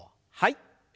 はい。